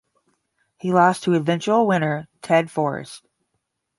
He lost to eventual winner Ted Forrest.